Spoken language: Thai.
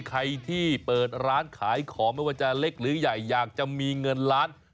ใครที่เปิดร้านขายของไม่ว่าจะเล็กหรือใหญ่อยากจะมีเงินล้าน